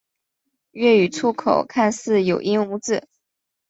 粤语粗口看似有音无字。